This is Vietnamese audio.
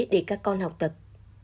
để các con học tập